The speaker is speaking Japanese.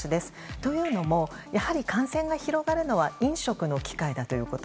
というのもやはり感染が広がるのは飲食の機会だということ。